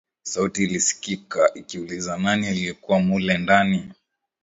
Sauti ilisikika ikiuliza nani aliyekuwa mule ndani